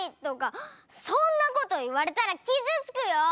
そんなこといわれたらきずつくよ！